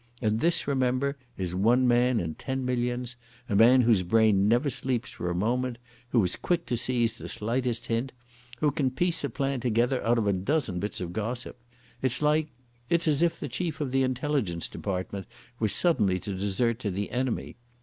And this, remember, is one man in ten millions, a man whose brain never sleeps for a moment, who is quick to seize the slightest hint, who can piece a plan together out of a dozen bits of gossip. It's like—it's as if the Chief of the Intelligence Department were suddenly to desert to the enemy....